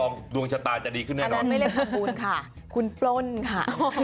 อันนั้นไม่เรียกทำบุญค่ะคุณปล้นค่ะ